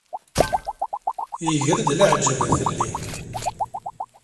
Iger-d leεǧeb fell-i.